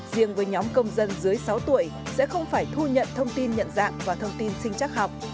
riêng với nhóm công dân dưới sáu tuổi sẽ không phải thu nhận thông tin nhận dạng và thông tin sinh chắc học